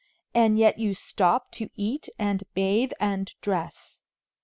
And yet you stop to eat and bathe and dress.